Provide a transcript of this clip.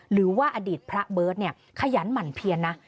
หรือว่าอดีตพระเบิร์ตขยันหมั่นเพียนนะ